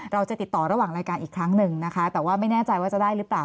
เราจะติดต่อระหว่างรายการอีกครั้งหนึ่งนะคะแต่ว่าไม่แน่ใจว่าจะได้หรือเปล่า